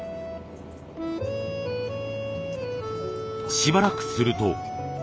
しばらくすると。